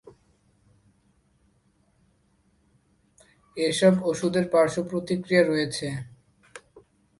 এসব ওষুধের পার্শ্বপ্রতিক্রিয়া রয়েছে।